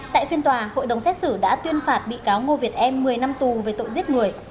tại phiên tòa hội đồng xét xử đã tuyên phạt bị cáo ngô việt em một mươi năm tù về tội giết người